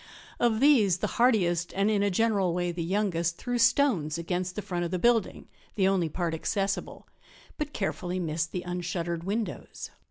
Of these the hardiest, and in a general way the youngest, threw stones against the front of the building, the only part accessible, but carefully missed the unshuttered windows.